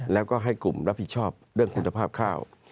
แล้วก็ให้กลุ่มรับผิดชอบเรื่องคุณภาพข้าว